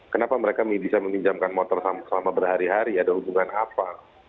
kenapa mereka bisa meminjamkan motor selama berhari hari ada hubungan apa